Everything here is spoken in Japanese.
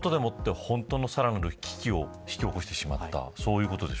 そのことで、さらなる危機を引き起こしてしまった。